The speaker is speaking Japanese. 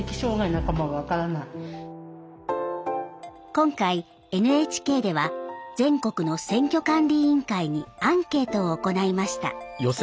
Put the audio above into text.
今回ＮＨＫでは全国の選挙管理委員会にアンケートを行いました。